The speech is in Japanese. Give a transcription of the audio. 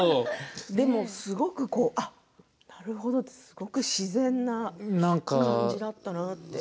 でもすごく、なるほどすごく自然な感じ方だったなって。